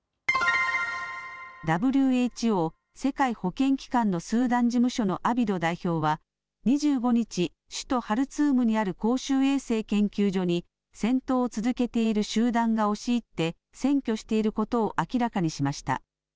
ＷＨＯ・世界保健機関のスーダン事務所のアビド代表は２５日、首都ハルツームにある公衆衛生研究所に戦闘を続けている集団が押し入って占拠していることを明らかにしました。